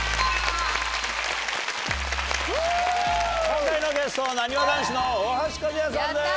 今回のゲストなにわ男子の大橋和也さんです！